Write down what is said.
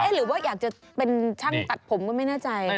หรือว่าอยากจะเป็นช่างตัดผมก็ไม่แน่ใจ